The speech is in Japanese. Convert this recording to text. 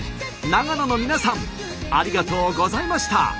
長野の皆さんありがとうございました。